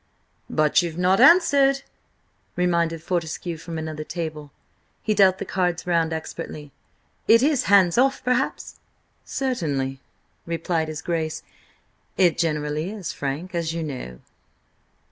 "But you've not answered!" reminded Fortescue from another table. He dealt the cards round expertly. "Is it hands off, perhaps?" "Certainly," replied his Grace. "It generally is, Frank, as you know."